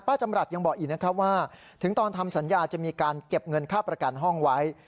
จำรัฐยังบอกอีกนะครับว่าถึงตอนทำสัญญาจะมีการเก็บเงินค่าประกันห้องไว้